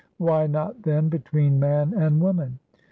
Why not, then, between man and woman?